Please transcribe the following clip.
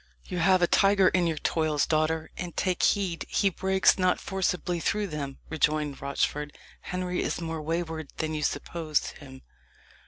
"You have a tiger in your toils, daughter, and take heed he breaks not forcibly through them," rejoined Rochford. "Henry is more wayward than you suppose him.